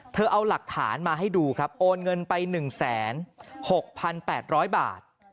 เอาหลักฐานมาให้ดูครับโอนเงินไป๑๖๘๐๐บาท